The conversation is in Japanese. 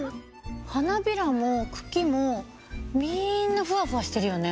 花びらも茎もみんなふわふわしてるよね。